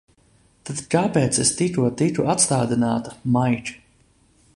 Tad kāpēc es tikko tiku atstādināta, Maik?